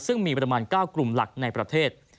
ซึ่งมีประมาณ๙กลุ่มหลักในประเทศ